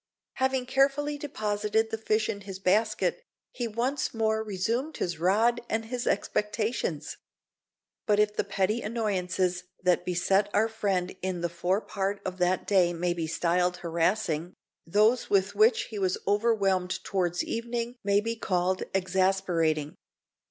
Having carefully deposited the fish in his basket, he once more resumed his rod and his expectations. But if the petty annoyances that beset our friend in the fore part of that day may be styled harassing, those with which he was overwhelmed towards evening may be called exasperating.